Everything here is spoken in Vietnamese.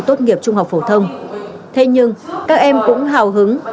tốt nghiệp trung học phổ thông thế nhưng các em cũng hào hứng